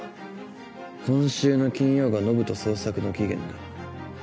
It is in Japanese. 今週の金曜が延人捜索の期限だ。